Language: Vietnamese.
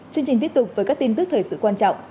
chương trình tiếp tục với các tin tức thời sự quan trọng